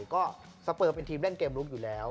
ก็สเปอร์เป็นทีมเล่นเกมลุกอยู่แล้ว